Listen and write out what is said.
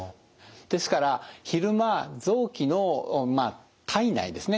ですから昼間臓器の体内ですね。